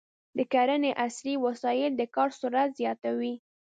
د کرنې عصري وسایل د کار سرعت زیاتوي.